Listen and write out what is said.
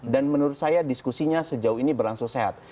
dan menurut saya diskusinya sejauh ini berlangsung sehat